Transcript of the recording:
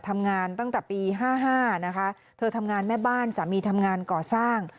ทำงานตั้งแต่ปี๕๕นะคะเธอทำงานแม่บ้านสามีทำงานก่อสร้าง